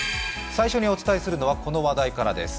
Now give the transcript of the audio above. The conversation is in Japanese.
最初にお伝えするのは、この話題からです。